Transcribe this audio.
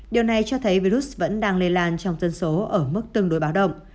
điều này cho thấy virus vẫn đang lây lan trong dân số ở mức tương đối báo động